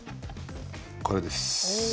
これです。